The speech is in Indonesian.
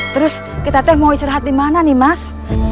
terus kita teh mau istirahat di mana nih mas